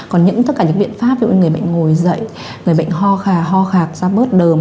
còn tất cả những biện pháp về người bệnh ngồi dậy người bệnh ho khó khạc ra bớt đờm